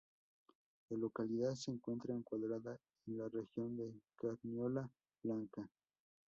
La localidad se encuentra encuadrada en la región de Carniola Blanca.